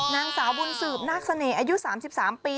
นางสาวบุญสืบนาคเสน่ห์อายุ๓๓ปี